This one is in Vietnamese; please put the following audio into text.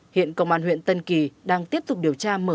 hiện công an huyện tân kỳ đang tiếp tục điều tra mở rộng chuyên án